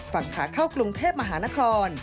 ฝั่งขาเข้ากรุงเทพมหานคร